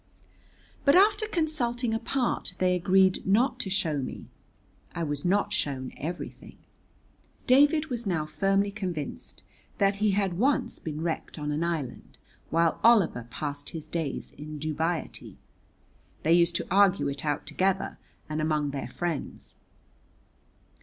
But after consulting apart they agreed not to show me. I was not shown everything. David was now firmly convinced that he had once been wrecked on an island, while Oliver passed his days in dubiety. They used to argue it out together and among their friends.